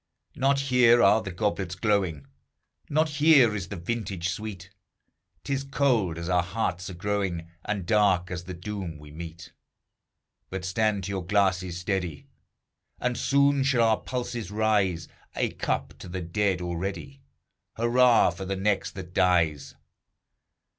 Not here are the goblets glowing, Not here is the vintage sweet; 'T is cold, as our hearts are growing, And dark as the doom we meet. But stand to your glasses, steady! And soon shall our pulses rise; A cup to the dead already Hurrah for the next that dies!